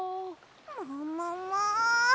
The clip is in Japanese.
ももも。